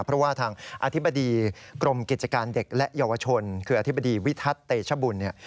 เพราะว่าทางอธิบดีกรมกิจการเด็กและเยาวชนคืออธิบดีวิทัศน์เตชบุญเนี่ย